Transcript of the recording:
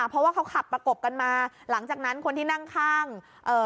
เพราะว่าเขาขับประกบกันมาหลังจากนั้นคนที่นั่งข้างเอ่อ